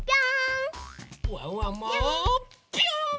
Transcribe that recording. ワンワンもぴょんぴょん！